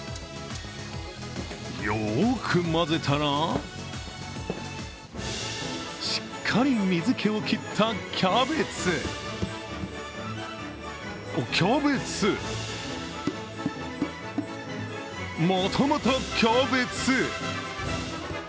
よーく混ぜたら、しっかり水気を切ったキャベツ、キャベツ、またまたキャベツ。